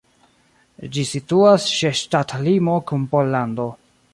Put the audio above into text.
Ĝi situas ĉe ŝtatlimo kun Pollando.